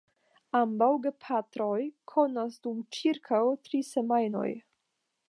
Ambaŭ gepatroj kovas dum ĉirkaŭ tri semajnoj.